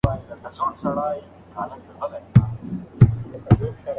هغوی په ګډه یوه پروژه بشپړه کړه.